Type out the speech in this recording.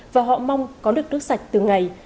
và họ mong có được nước sạch từ ngày